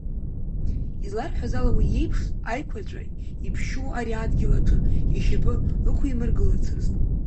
Изларҳәаз ала, уи иеиԥш аиқәаҵәа иԥшьоу ари адгьыл аҿы ишьапы ықәимыргылацызт.